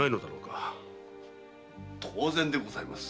当然でございます。